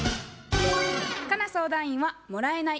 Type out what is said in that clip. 佳奈相談員は「もらえない」